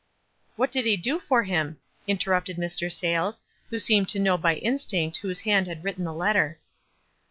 "What did he do for him?" interrupted Mr. Sayles, who seemed to know by instinct whose hand had written the letter.